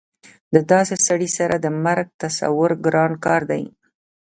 د داسې سړي سره د مرګ تصور ګران کار دی